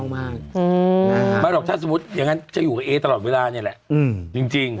ไม่หรอกถ้าสมมุติอย่างนั้นจะอยู่กับเอตลอดเวลานี่แหละจริง